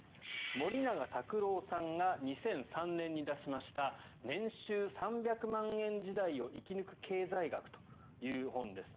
森永卓郎さんが２００３年に出しました「年収３００万円時代を生き抜く経済学」という本です。